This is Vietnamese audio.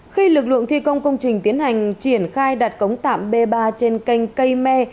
khi lực lượng thi công công trình tiến hành triển khai đặt cống tạm b ba trên kênh cây me